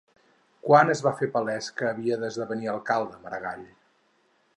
Quan es va fer palès que havia d'esdevenir alcalde, Maragall?